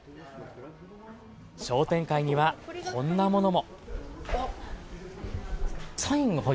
商店会には、こんなものも。